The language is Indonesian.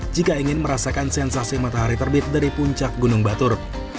jika ingin merasakan sensasi matahari terbit dari puncak gunung batur